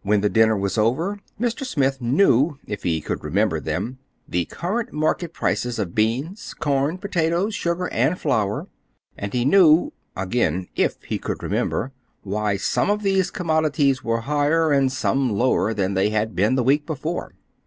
When the dinner was over, Mr. Smith knew (if he could remember them) the current market prices of beans, corn, potatoes, sugar, and flour; and he knew (again if he could remember) why some of these commodities were higher, and some lower, than they had been the week before.